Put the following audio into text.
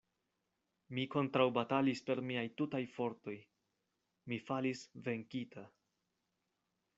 Mi kontraŭbatalis per miaj tutaj fortoj: mi falis venkita.